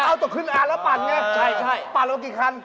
เอาตกขึ้นอ่านแล้วปั่นไงปั่นแล้วกี่คัน